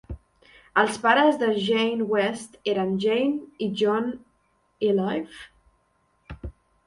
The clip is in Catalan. Els pares de Jane West eren Jane i John Iliffe.